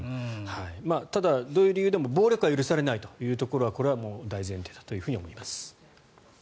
ただ、どういう理由でも暴力は許されないというところはこれは大前提だと思います。